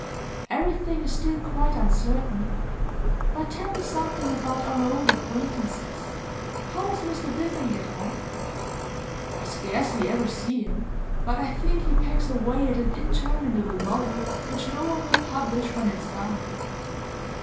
'Everything is still quite uncertain. But tell me something about our old acquaintances. How does Mr Biffen get on?' 'I scarcely ever see him, but I think he pegs away at an interminable novel, which no one will publish when it's done.